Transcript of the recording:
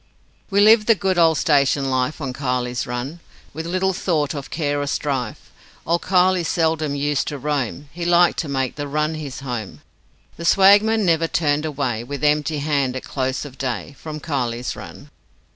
We lived the good old station life On Kiley's Run, With little thought of care or strife. Old Kiley seldom used to roam, He liked to make the Run his home, The swagman never turned away With empty hand at close of day From Kiley's Run.